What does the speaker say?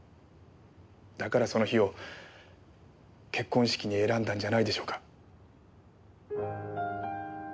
だからその日を結婚式に選んだんじゃないでしょうか。